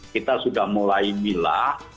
kita sudah mulai milah